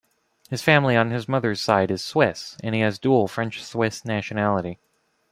His family on his mother's side is Swiss, and he has dual French-Swiss nationality.